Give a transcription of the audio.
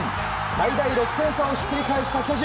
最大６点差をひっくり返した巨人。